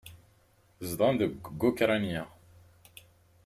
Zedɣen deg Ukṛanya.